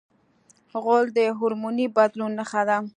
غول د هورموني بدلون نښه ده.